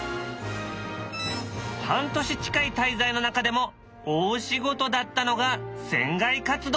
半年近い滞在の中でも大仕事だったのが船外活動。